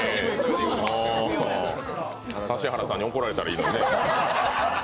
指原さんに怒られたらいいのにね。